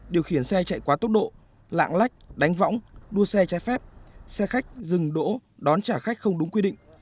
điều khiển xe chạy quá tốc độ lạng lách đánh võng đua xe trái phép xe khách dừng đỗ đón trả khách không đúng quy định